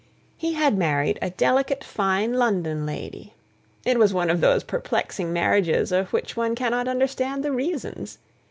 He had married a delicate fine London lady; it was one of those perplexing marriages of which one cannot understand the reasons.